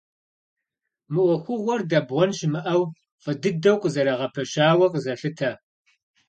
Мы ӏуэхугъуэр, дэбгъуэн щымыӏэу, фӏы дыдэу къызэрагъэпэщауэ къызолъытэ.